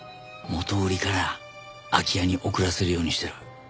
元売から空き家に送らせるようにしてる。